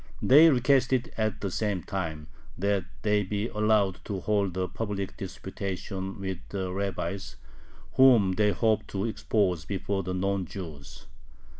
They requested at the same time that they be allowed to hold a public disputation with the rabbis, whom they hoped to expose before the non Jews.